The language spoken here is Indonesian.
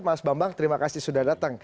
mas bambang terima kasih sudah datang